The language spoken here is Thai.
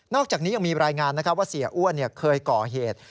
อกจากนี้ยังมีรายงานว่าเสียอ้วนเคยก่อเหตุ